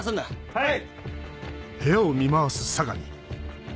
はい！